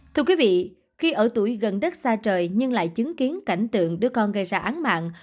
thưa quý vị khi ở tuổi gần đất xa trời nhưng lại chứng kiến cảnh tượng đứa con gây ra án mạng